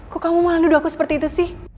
kok kamu malah duduk aku seperti itu sih